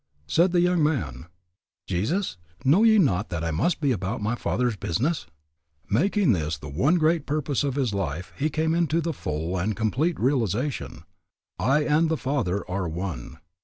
Said the young man, Jesus, Know ye not that I must be about my Father's business? Making this the one great purpose of his life he came into the full and complete realization, I and the Father are one.